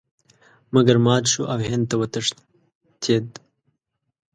مګر مات شو او هند ته وتښتېد.